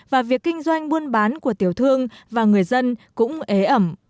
và việc kinh doanh buôn bán của tiểu thương và người dân cũng ế ẩm